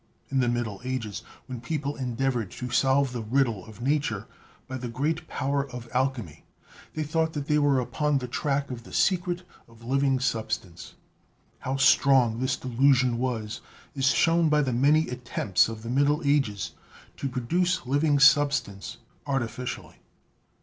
In the middle ages, when people endeavored to solve the riddle of nature by the great power of alchemy, they thought that they were upon the track THE NATURE OF LIFE 15 of the secret of living substance. How strong this de lusion was is shown by the many attempts of the middle ages to produce living substance artificially.